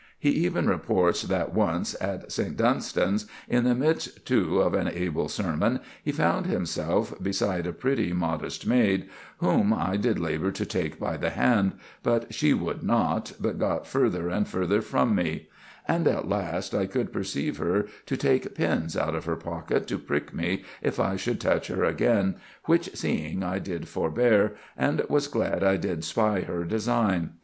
He even reports that once, at St. Dunstan's, in the midst too of an "able sermon," he found himself beside a "pretty, modest maid," whom "I did labor to take by the hand, but she would not, but got further and further from me; and at last I could perceive her to take pins out of her pocket, to prick me if I should touch her again, which seeing I did forbear, and was glad I did spy her design.